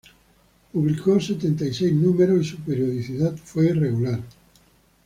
Publicó sesenta y seis números y su periodicidad fue irregular.